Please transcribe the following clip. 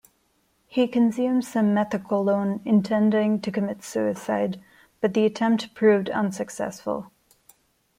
He consumed some methaqualone, intending to commit suicide, but the attempt proved unsuccessful.